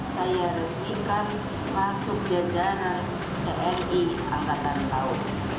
saya resmikan masuk jadwal tni angkatan tau